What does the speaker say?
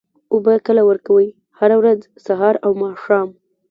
اوبه کله ورکوئ؟ هره ورځ، سهار او ماښام